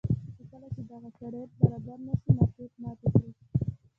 خو کله چې دغه شرایط برابر نه شي مارکېټ ماتې خوري.